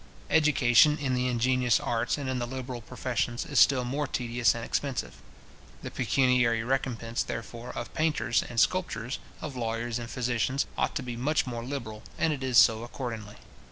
Education in the ingenious arts, and in the liberal professions, is still more tedious and expensive. The pecuniary recompence, therefore, of painters and sculptors, of lawyers and physicians, ought to be much more liberal; and it is so accordingly.